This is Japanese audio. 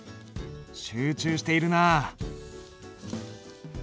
集中しているなあ。